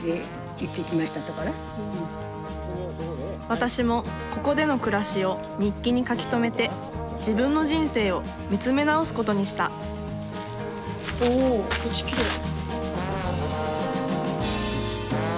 私もここでの暮らしを日記に書き留めて自分の人生を見つめ直すことにしたおお星きれい。